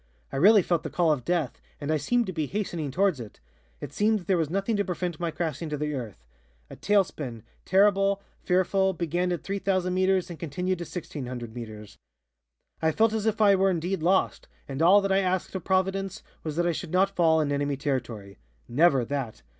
I really felt the call of death and I seemed to be hastening towards it. It seemed that there was nothing to prevent my crashing to the earth. A tail spin, terrible, fearful, began at 3,000 meters and continued to 1,600 meters. "I felt as if I were indeed lost, and all that I asked of Providence was that I should not fall in enemy territory. Never that!